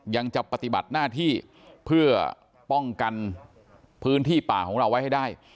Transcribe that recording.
ยังจะปฏิบัติหน้าที่เพื่อป้องกันพื้นที่ป่าของเราไว้ให้ได้